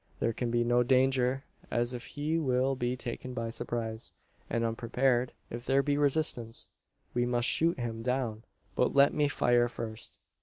There can be no danger, as he will be taken by surprise, and unprepared. If there be resistance, we must shoot him down; but let me fire first."